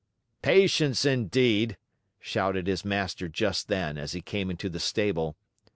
"Patience indeed!" shouted his master just then, as he came into the stable.